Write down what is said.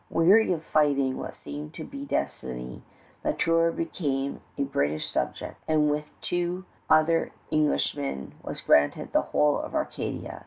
Weary of fighting what seemed to be destiny, La Tour became a British subject, and with two other Englishmen was granted the whole of Acadia.